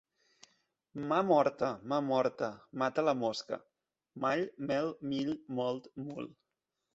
Mà morta, mà morta, mata la mosca. Mall, mel, mill, molt, mul.